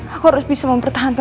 aku harus bisa mempertahankan